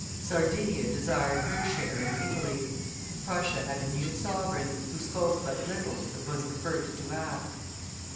Sardinia desired her share in Italy. Prussia had a new sovereign, who spoke but little, but was the first to act.